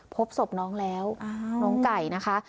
พบศพน้องแล้วน้องไก่นะคะ